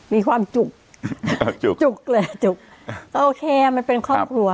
มีความจุกจุกจุกเลยจุกโอเคมันเป็นครอบครัว